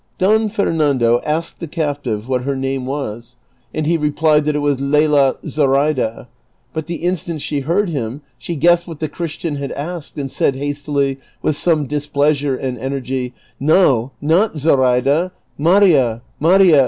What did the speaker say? Don Fernando asked the captive what her name was, and he replied that it was Lela Zoraida ; but the instant she heard him, she guessed what the Christian had asked, and said hastily, with some displeasure and energy, " No, not Zoraida ; Maria, Maria